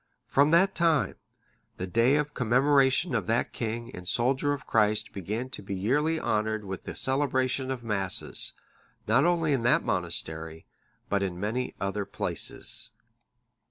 From that time, the day of commemoration of that king and soldier of Christ began to be yearly honoured with the celebration of Masses, not only in that monastery, but in many other places.